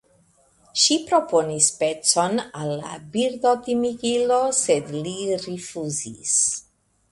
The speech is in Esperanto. Ŝi proponis pecon al la Birdotimigilo, sed li rifuzis.